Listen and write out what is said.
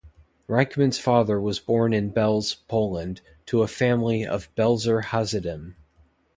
Reichman's father was born in Belz, Poland to a family of Belzer Hasidim.